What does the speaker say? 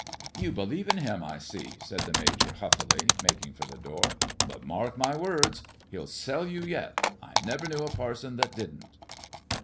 " You believe in him, I see," said the Major, huffily, making for the door, " but, mark my words, hell sell you yet. I never knew a parson that didn't."